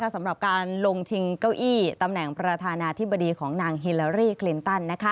สำหรับการลงชิงเก้าอี้ตำแหน่งประธานาธิบดีของนางฮิลารี่คลินตัน